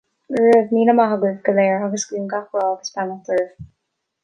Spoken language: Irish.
Go raibh míle maith agaibh go léir agus guím gach rath agus beannacht oraibh.